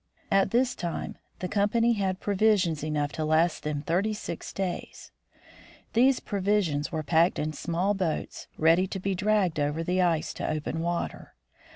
At this time the company had provisions enough to last them thirty six days. These provisions were packed in small boats, ready to be dragged over the ice to open water.